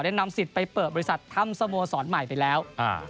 นำสิทธิ์ไปเปิดบริษัททำสโมสรใหม่ไปแล้ว